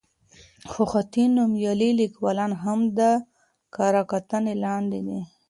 خو حتی نومیالي لیکوالان هم د کره کتنې لاندې دي.